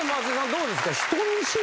どうですか？